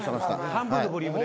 半分のボリュームで。